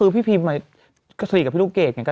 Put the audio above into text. พี่ตุ๊กแม่ตุ๊ก